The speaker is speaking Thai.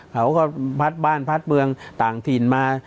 เขาก็พัดบ้านพัดเมืองต่างถิ่นมา